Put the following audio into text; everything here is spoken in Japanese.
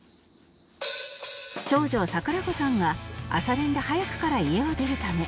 長女桜子さんが朝練で早くから家を出るため